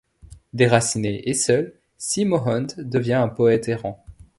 Déraciné et seul, Si Mohand devient un poète errant.